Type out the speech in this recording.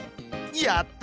やった！